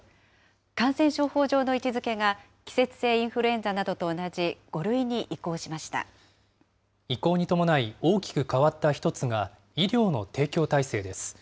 感染症法上の位置づけが季節性インフルエンザなどと同じ５類に移移行に伴い、大きく変わった１つが医療の提供体制です。